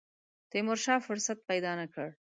تیمورشاه فرصت پیدا نه کړ.